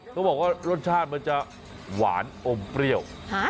เขาบอกว่ารสชาติมันจะหวานอมเปรี้ยว